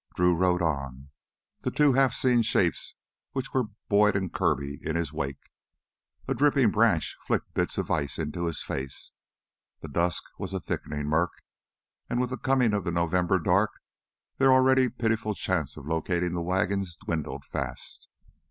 Drew rode on, the two half seen shapes which were Boyd and Kirby in his wake. A dripping branch flicked bits of ice into his face. The dusk was a thickening murk, and with the coming of the November dark, their already pitiful chance of locating the wagons dwindled fast.